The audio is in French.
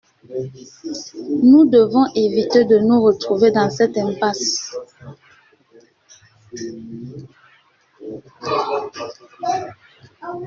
Nous devons éviter de nous retrouver dans cette impasse.